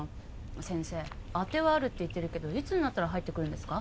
先生あてはあるって言ってるけどいつ入ってくるんですか？